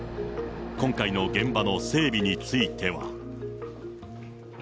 今回の現場の整備については。